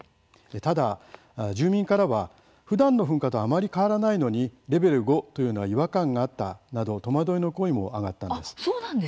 ただ、住民からはふだんの噴火とあまり変わらないのにレベル５というのは違和感があったなど戸惑いの声も上がったんです。